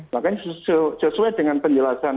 makanya sesuai dengan penjelasan